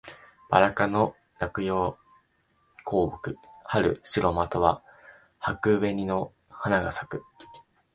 ばら科の落葉高木。春、白または薄紅の花が咲く。